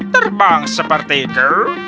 terbang seperti ku